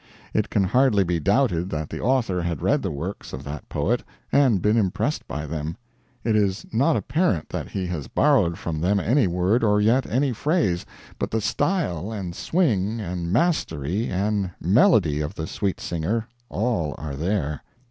It can hardly be doubted that the author had read the works of that poet and been impressed by them. It is not apparent that he has borrowed from them any word or yet any phrase, but the style and swing and mastery and melody of the Sweet Singer all are there.